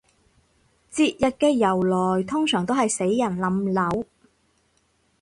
節日嘅由來通常都係死人冧樓